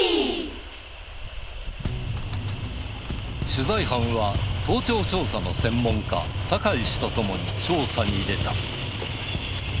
取材班は、盗聴調査の専門家、酒井氏と共に調査に出た。